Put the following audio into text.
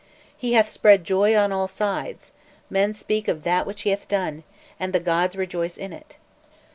He hath spread joy on all sides; men speak of that which he hath done, and the gods rejoice in it.